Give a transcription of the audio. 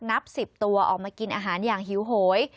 นับ๑๐ตัวออกมากินอาหารอย่างหิวโหย